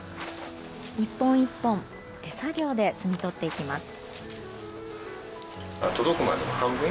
１本１本、手作業で摘み取っていきます。